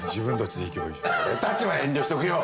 俺たちは遠慮しとくよ。